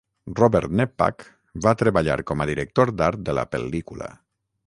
Robert Neppach va treballar com a director d'art de la pel·lícula.